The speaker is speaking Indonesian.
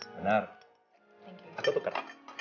bener aku tukar